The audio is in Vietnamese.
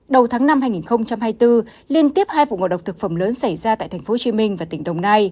đầu tháng năm hai nghìn hai mươi bốn liên tiếp hai vụ ngộ độc thực phẩm lớn xảy ra tại tp hcm và tp nha trang